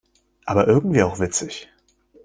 Aber irgendwie auch witzig.